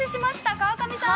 川上さん。